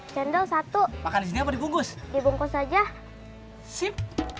jendol satu makan di sini apa di bungkus di bungkus aja sip